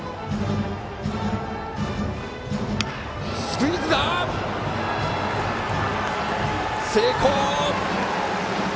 スクイズ成功！